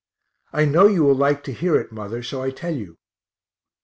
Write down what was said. I know you will like to hear it, mother, so I tell you.